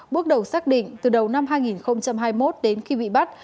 bước đầu xác định từ đầu năm hai nghìn hai mươi một đến khi bị bắt